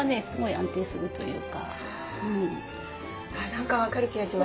何か分かる気がします。